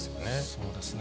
そうですね。